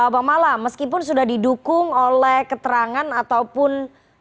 pak malam meskipun sudah didukung oleh keterangan ataupun